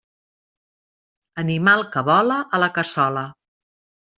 Animal que vola, a la cassola.